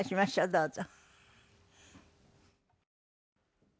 どうぞ。